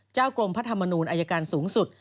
กรมพระธรรมนูลอายการสูงสุด